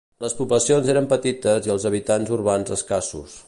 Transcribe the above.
Les poblacions eren petites i els habitants urbans escassos.